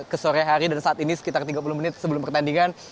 ke sore hari dan saat ini sekitar tiga puluh menit sebelum pertandingan